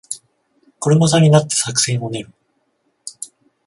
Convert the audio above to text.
車座になって作戦を練る